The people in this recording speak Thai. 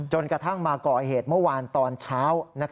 กระทั่งมาก่อเหตุเมื่อวานตอนเช้า